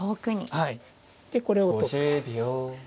でこれを取ると。